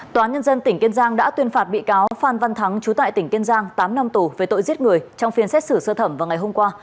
tòa nhân dân tỉnh kiên giang đã tuyên phạt bị cáo phan văn thắng chú tại tỉnh kiên giang tám năm tù về tội giết người trong phiên xét xử sơ thẩm vào ngày hôm qua